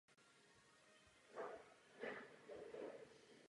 Kvůli špatnému zdravotního stavu byl ale měsíc nato ze služby propuštěn.